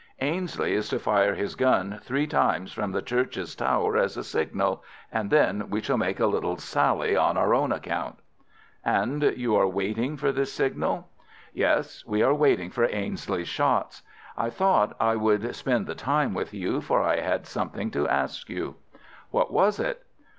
Ainslie is to fire his gun three times from the church tower as a signal, and then we shall make a little sally on our own account." "And you are waiting for this signal?" "Yes, we are waiting for Ainslie's shots. I thought I would spend the time with you, for I had something to ask you." "What was it?"